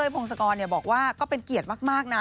พงศกรบอกว่าก็เป็นเกียรติมากนะ